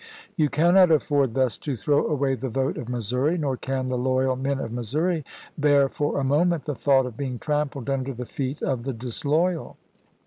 You cannot afford thus to throw away the vote of Missouri ; nor can the loyal men of Missouri bear for a moment the thought of to Lincoln, ^ June 22, being trampled under the feet of the disloyal."